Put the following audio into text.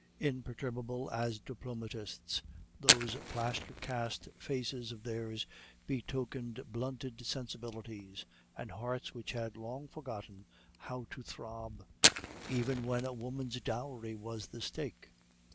Imperturbable as diplomatists, those plaster cast faces of theirs betokened blunted sensibilities, and hearts which had long forgotten how to throb, even when a woman's dowry was the stake.